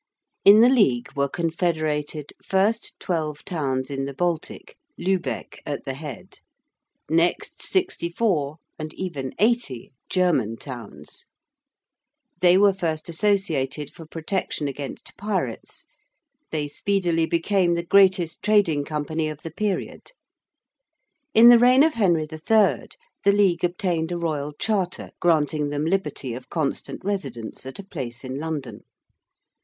In the League were confederated: first, twelve towns in the Baltic, Lübeck at the head; next, sixty four and even eighty German towns. They were first associated for protection against pirates: they speedily became the greatest trading company of the period. In the reign of Henry III. the League obtained a Royal Charter granting them liberty of constant residence at a place in London.